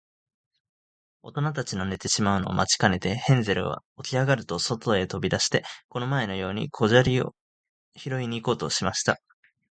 おとなたちの寝てしまうのを待ちかねて、ヘンゼルはおきあがると、そとへとび出して、この前のように小砂利をひろいに行こうとしました。